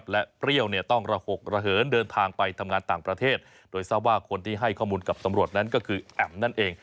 และเปรี้ยวเนี่ยต้องระหกระเหินเดินทางไปทำงานต่างประเทศโดยทราบว่าคนที่ให้ข้อมูลกับตำรวจนั้นก็คือแอ๋มนั่นเอง